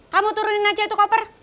kamu turunin aja itu koper